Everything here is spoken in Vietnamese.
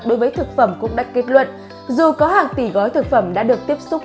đối với thực phẩm cũng đã kết luận dù có hàng tỷ gói thực phẩm đã được tiếp xúc